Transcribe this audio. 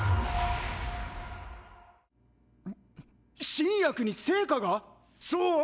新薬に成果が⁉そぉー